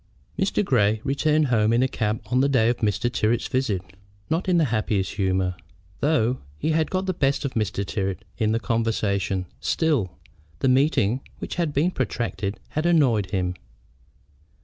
Mr. Grey returned home in a cab on the day of Mr. Tyrrwhit's visit, not in the happiest humor. Though he had got the best of Mr. Tyrrwhit in the conversation, still, the meeting, which had been protracted, had annoyed him.